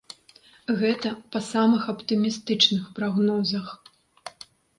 Гэта па самых аптымістычных прагнозах.